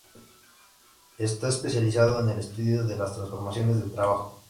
Está especializado en el estudio de las transformaciones del trabajo.